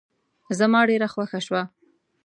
زما ډېره خوښه شوه.